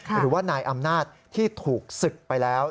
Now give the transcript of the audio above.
หรือว่านายอำนาจที่ถูกศึกไปแล้ว